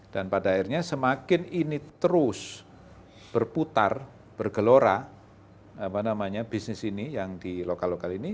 dan pada akhirnya semakin ini terus berputar bergelora bisnis ini yang di lokal lokal ini